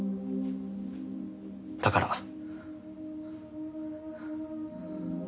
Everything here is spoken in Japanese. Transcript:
だから。